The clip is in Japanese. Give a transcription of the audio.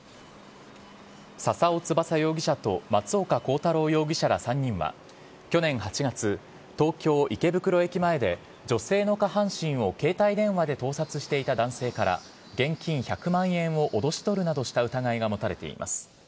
笹尾翼容疑者と松岡洸太郎容疑者ら３人は、去年８月、東京・池袋駅前で女性の下半身を携帯電話で盗撮していた男性から、現金１００万円を脅し取るなどした疑いが持たれています。